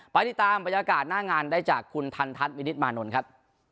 ไปติดตามบรรยากาศหน้างานได้จากคุณทันทัศน์วินิตมานนท์ครับ